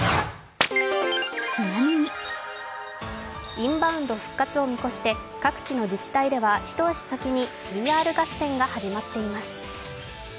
インバウンド復活を見越して各地の自治体では一足先にＰＲ合戦が始まっています。